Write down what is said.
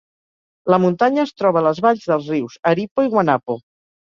La muntanya es troba a les valls dels rius Aripo i Guanapo.